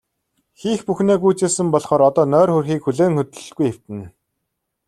Хийх бүхнээ гүйцээсэн болохоор одоо нойр хүрэхийг хүлээн хөдлөлгүй хэвтэнэ.